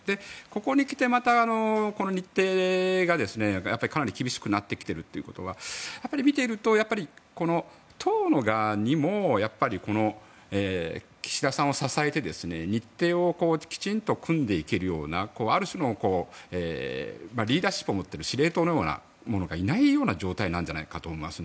ここにきて、またこの日程がかなり厳しくなっているということは見ていると、党の側にも岸田さんを支えて日程をきちんと組んでいけるようなある種のリーダーシップを持っている司令塔のようなものがいないような状態なんじゃないかと思います。